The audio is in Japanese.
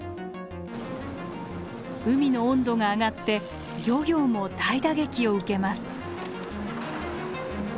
海の温度が上がって漁業も大打撃を受けます。